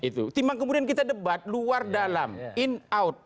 timbang kemudian kita debat luar dalam in out